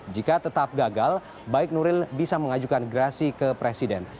jika tetap gagal baik nuril bisa mengajukan gerasi ke presiden